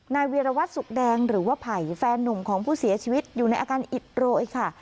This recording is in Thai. เวียรวัตรสุขแดงหรือว่าไผ่แฟนนุ่มของผู้เสียชีวิตอยู่ในอาการอิดโรยค่ะ